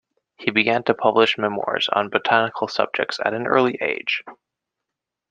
He began to publish memoirs on botanical subjects at an early age.